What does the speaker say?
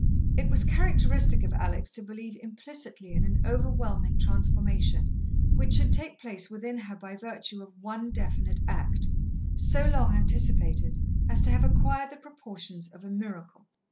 It was characteristic of Alex to believe implicitly in an overwhelming transformation which should take place within her by virtue of one definite act, so long anticipated as to have acquired the proportions of a miracle.